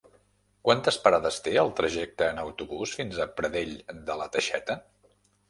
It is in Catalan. Quantes parades té el trajecte en autobús fins a Pradell de la Teixeta?